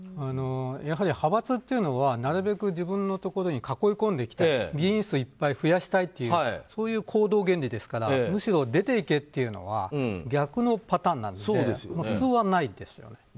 やはり派閥というのはなるべく自分のところに囲い込んで、議員数をいっぱい増やしたいというそういう行動原理ですからむしろ出て行けというのは逆のパターンなので普通はないですよね。